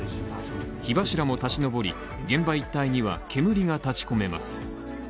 火柱もたち上り、現場一帯には煙が立ち込めます。